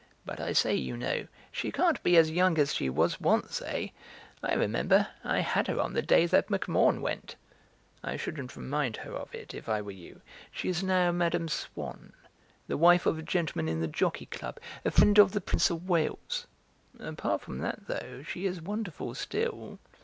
But I say, you know, she can't be as young as she was once, eh? I remember, I had her on the day that MacMahon went." "I shouldn't remind her of it, if I were you. She is now Mme. Swann, the wife of a gentleman in the Jockey Club, a friend of the Prince of Wales. Apart from that, though, she is wonderful still."